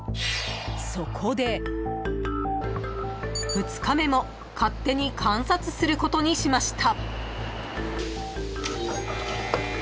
［２日目も勝手に観察することにしました］